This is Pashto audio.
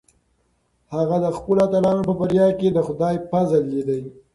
هغه د خپلو اتلانو په بریا کې د خدای فضل لیده.